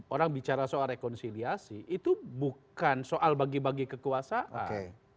orang bicara soal rekonsiliasi itu bukan soal bagi bagi kekuasaan